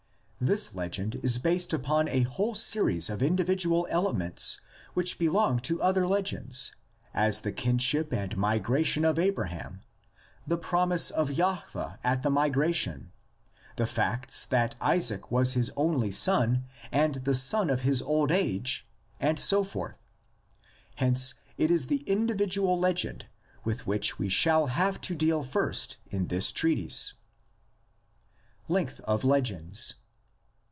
this legend is based upon a whole series of individual elements which belong to other legends, as the kinship and migration of Abraham, the promise of Jahveh at the migration, the facts that Isaac was his only son and the son of his old age, and so forth. Hence it is the individual legend with which we shall have to deal first in this treatise. LENGTH OF LEGENDS.